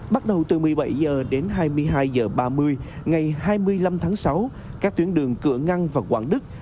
bắt đầu từ một mươi bảy h đến hai mươi hai h ba mươi ngày hai mươi năm tháng sáu các tuyến đường cửa ngăn và quảng đức